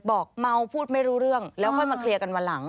บอกเมาพูดไม่รู้เรื่องแล้วค่อยมาเคลียร์กันวันหลัง